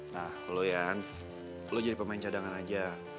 nah lo yan lo jadi pemain cadangan aja